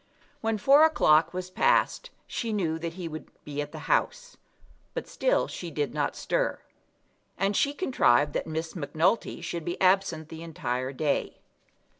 When four o'clock was passed she knew that he would be at the House. But still she did not stir. And she contrived that Miss Macnulty should be absent the entire day.